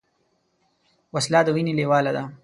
وسله د وینې لیواله ده